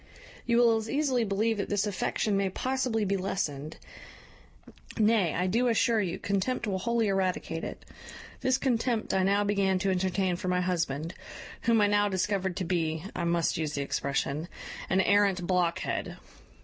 You will as easily believe that this affection may possibly be lessened; nay, I do assure you, contempt will wholly eradicate it. This contempt I now began to entertain for my husband, whom I now discovered to be I must use the expression an arrant blockhead.